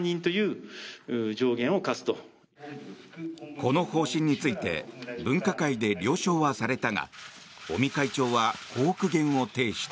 この方針について分科会で了承はされたが尾身会長はこう苦言を呈した。